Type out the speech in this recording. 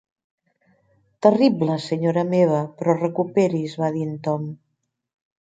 "Terrible, senyora meva; però recuperi's" va dir en Tom.